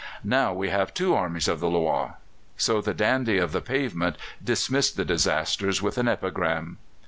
Now we have two Armies of the Loire." So the dandy of the pavement dismissed the disaster with an epigram.